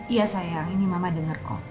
iya sayang ini mama dengar kok